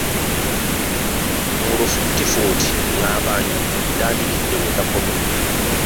Mulufuutifuti ngamba ntadikidde we nakomye .